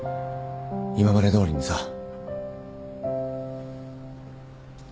今までどおりにさ。